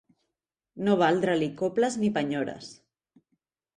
No valdre-li coples ni penyores.